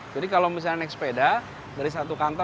jadi kalau misalnya naik sepeda dari satu kantor